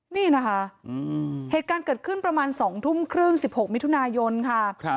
นี่นะคะเหตุการณ์เกิดขึ้นประมาณ๒ทุ่มครึ่ง๑๖มิถุนายนค่ะ